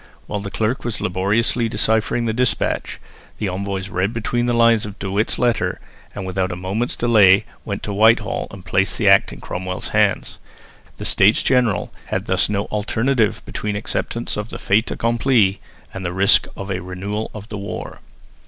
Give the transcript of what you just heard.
While the clerk was laboriously deciphering the despatch, the envoys read between the lines of De Witt's letter, and without a moment's delay went to Whitehall and placed the Act in Cromwell's hands. The States General had thus no alternative between acceptance of the fait accompli and the risk of a renewal of the war.